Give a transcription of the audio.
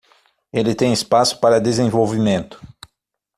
Ele tem espaço para desenvolvimento